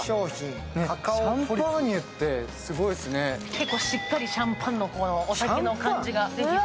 結構しっかりシャンパンのお酒の感じが出てる。